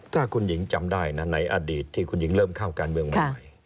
ถ้าคุณหญิงจำได้นะในอดีตที่คุณหญิงเริ่มเข้าการเมืองใหม่